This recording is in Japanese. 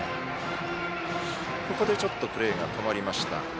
ここでプレーが止まりました。